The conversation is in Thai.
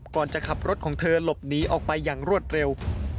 ก่อนจะขับรถของเธอหลบหนีออกไปอย่างรวดเร็ว